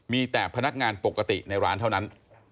มีแต่พนักงานปกติในร้านเท่านั้น